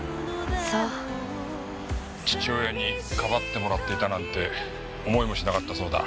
父親に庇ってもらっていたなんて思いもしなかったそうだ。